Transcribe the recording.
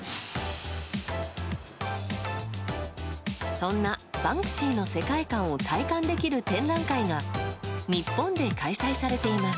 そんなバンクシーの世界観を体感できる展覧会が日本で開催されています。